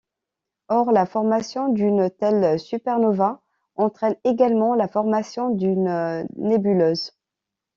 Or la formation d'une telle supernova entraine également la formation d'une nébuleuse.